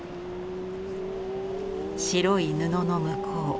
白い布の向こう